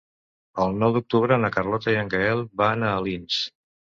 El nou d'octubre na Carlota i en Gaël van a Alins.